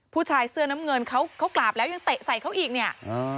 ผู้ชายเสื้อน้ำเงินเขาเขากราบแล้วยังเตะใส่เขาอีกเนี่ย